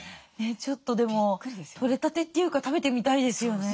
ちょっとでも取れたてっていうか食べてみたいですよね。